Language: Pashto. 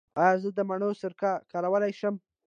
ایا زه د مڼې سرکه کارولی شم؟